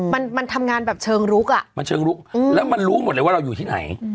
มันทำงานเชิงลุกอ่ะแล้วมันรู้หมดเลยว่าเราอยู่ที่ไหน